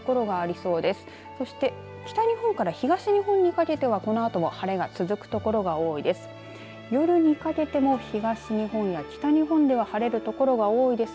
そして北日本から東日本にかけてはこのあとも晴れが続く所が多いです。